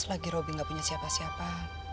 lagi robby gak punya siapa siapa